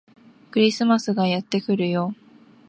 クリスマスがやってくるよ